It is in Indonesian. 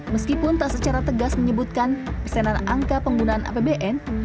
meskipun tak secara tegas menyebutkan pesanan angka penggunaan apbn